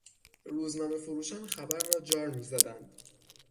روزنامهفروشان خبر را جار میزدند.